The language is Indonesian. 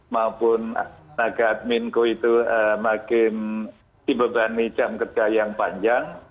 maupun tenaga adminco itu makin dibebani jam kerja yang panjang